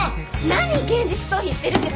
何現実逃避してるんですか！